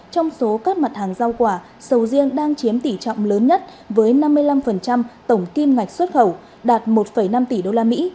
trong số các mặt hàng rau quả sầu riêng đang chiếm tỷ trọng lớn nhất với năm mươi năm tổng kim ngạch xuất khẩu đạt một năm tỷ usd